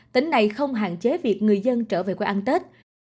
tỉnh này không hạn chế việc người dân trở về quê ăn tết